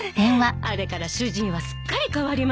あれから主人はすっかり変わりまして。